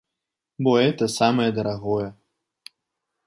Бо гэта самае дарагое.